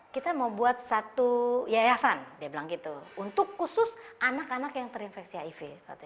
kita mau buat satu yayasan dia bilang gitu untuk khusus anak anak yang terinfeksi hiv